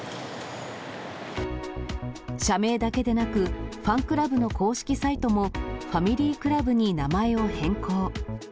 社名だけでなく、ファンクラブの公式サイトも、ファミリークラブに名前を変更。